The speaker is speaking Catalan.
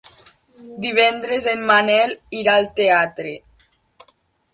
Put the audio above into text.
Divendres en Manel irà al teatre.